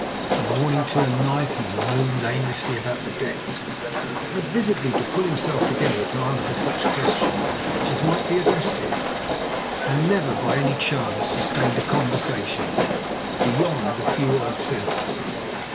From morning till night he mooned aimlessly about the decks, had visibly to pull himself together to answer such questions as might be addressed to him, and never by any chance sustained a conversation beyond a few odd sentences.